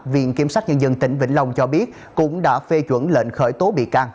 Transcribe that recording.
viện kiểm sát nhân dân tỉnh vĩnh long cho biết cũng đã phê chuẩn lệnh khởi tố bị can